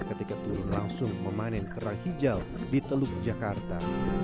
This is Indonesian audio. ketika turun langsung memanen kerang hijau di teluk jakarta